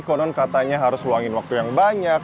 konon katanya harus luangin waktu yang banyak